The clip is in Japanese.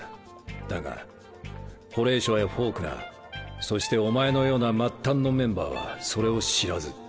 だがホレイショやフォークナーそしてお前のような末端のメンバーはそれを知らず。